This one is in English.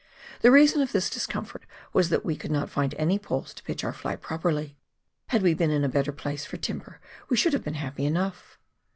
The reason of this discomfort was that we could not find any poles to pitch our fly properly ; had we been in a better place for timber we should have been happy enough.